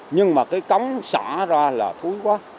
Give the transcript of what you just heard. nhưng mà cái cống xả ra là thúi quá